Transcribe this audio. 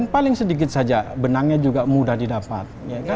paling sedikit saja benangnya juga mudah didapat